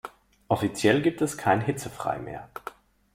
Offiziell gibt es kein hitzefrei mehr.